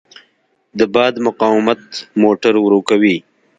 د باد مقاومت موټر ورو کوي.